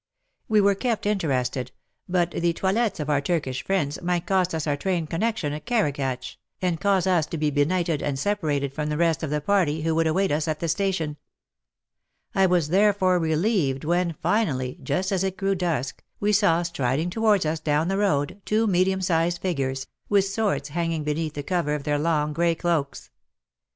We were kept interested, but the toilettes of our Turkish friends might cost us our train connection at Karagatch, and cause us to be benighted and separated from the rest of the party who would await us at the station, i was therefore re lieved when finally, just as it grew dusk, we saw striding towards us down the road, two medium sized figures, with swords hanging be neath the cover of their long grey cloaks.